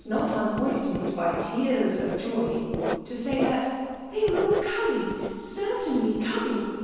35 not unmoistened by tears of j6y, — to 9i^y that ''They weie all coming! Gertainly coming!